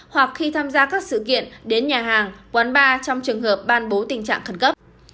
hoặc khi tham gia các sự kiện đến nhà hàng quán bar trong trường hợp ban bố tình trạng khẩn cấp